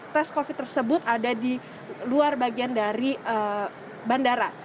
tes covid tersebut ada di luar bagian dari bandara